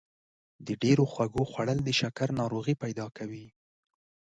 د ډېرو خوږو خوړل د شکر ناروغي پیدا کوي.